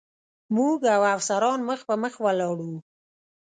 موږ او افسران مخ په مخ ولاړ و.